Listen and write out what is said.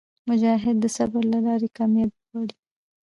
مجاهد د صبر له لارې کاميابي غواړي.